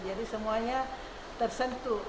jadi semuanya tersentuh